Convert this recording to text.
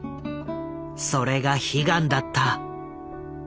それが悲願だった。